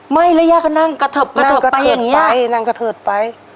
ไม่อะไรยาก็นั่งกระเถิบกระเถิบไปอย่างเงี้ยนั่งกระเถิดไปนั่งกระเถิดไป